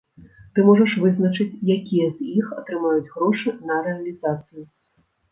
Ты можаш вызначыць, якія з іх атрымаюць грошы на рэалізацыю.